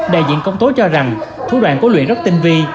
đại diện công tố cho rằng thủ đoàn cố luyện rất tinh vi